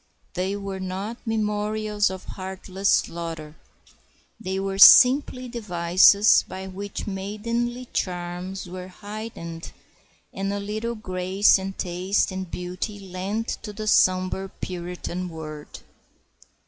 They were not memorials of heartless slaughter. They were simply devices by which maidenly charms were heightened, and a little grace and taste and beauty lent to the sombre Puritan world.